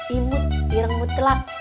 irem ireng mutlak